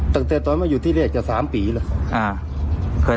ตั้งแต่ตอนว่าอยู่ที่เราอาจจะ๓ปีเลย